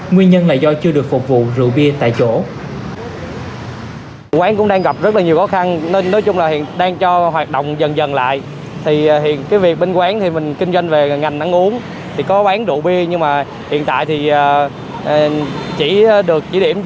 nguyên nhân là do chưa được phục vụ rượu bia tại chỗ